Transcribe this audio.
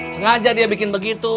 sengaja dia bikin begitu